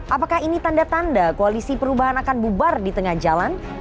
apakah ini tanda tanda koalisi perubahan akan bubar di tengah jalan